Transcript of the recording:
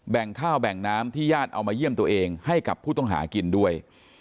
งข้าวแบ่งน้ำที่ญาติเอามาเยี่ยมตัวเองให้กับผู้ต้องหากินด้วย